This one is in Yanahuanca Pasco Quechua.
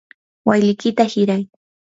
walikiyta hiray.